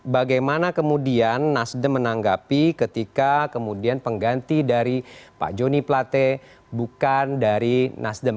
bagaimana kemudian nasdem menanggapi ketika kemudian pengganti dari pak joni plate bukan dari nasdem